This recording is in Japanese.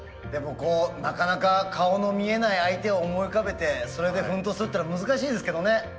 でもこうなかなか顔の見えない相手を思い浮かべてそれで奮闘するっていうのは難しいですけどね。